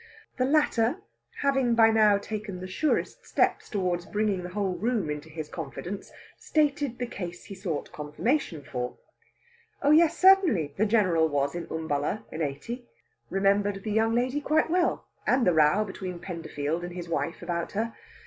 The latter, having by now taken the surest steps towards bringing the whole room into his confidence, stated the case he sought confirmation for. Oh yes, certainly; the General was in Umballa in '80; remembered the young lady quite well, and the row between Penderfield and his wife about her.